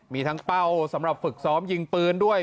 มีทั้งเป้าสำหรับฝึกซ้อมยิงปืนด้วย